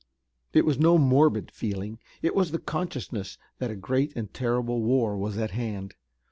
It was no morbid feeling. It was the consciousness that a great and terrible war was at hand.